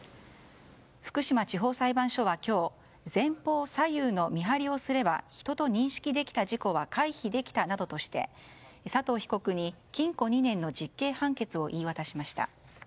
福島地方裁判所は今日前方左右の見張りをすれば人と認識できた事故は回避できたなどとして佐藤被告に禁錮２年の実刑判決を言い渡しました。